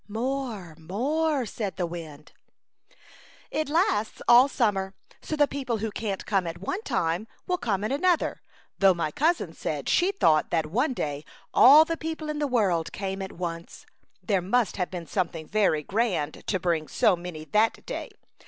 " More, more," said the wind. " It lasts all summer, so the people who can't come at one time will come at another, though my cousin said she thought that one day all the people in the world came at once. There must have been something very grand to bring so many that day.